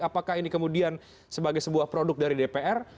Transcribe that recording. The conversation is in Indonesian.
apakah ini kemudian sebagai sebuah produk dari dpr